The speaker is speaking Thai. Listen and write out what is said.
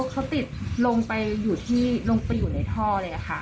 เขาติดลงไปอยู่ที่ลงไปอยู่ในท่อเลยค่ะ